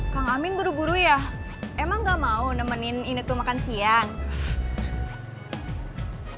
kang amin buru buru ya emang gak mau nemenin ini tuh makan siang